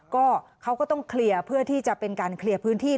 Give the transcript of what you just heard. ก็เขาก็ต้องเคลียร์เพื่อที่จะเป็นการเคลียร์พื้นที่